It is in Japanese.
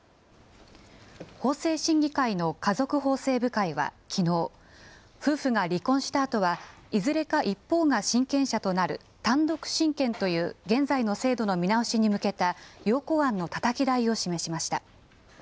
法制審議会の家族法制部会はきのう、夫婦が離婚したあとはいずれか一方が親権者となる単独親権という現在の制度の見直しに向けた要綱案のたたき台を示しました。